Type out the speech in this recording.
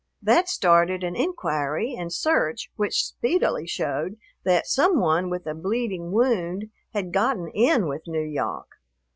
That started an inquiry and search which speedily showed that some one with a bleeding wound had gotten in with N'Yawk.